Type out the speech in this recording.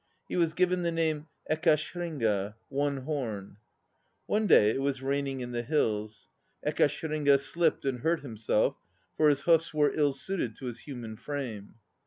He was given the name Ekashringa, "One horn." One day it was raining in the hills. Ekashringa slipped and hurt himself, for his hoofs were ill suited to his human frame.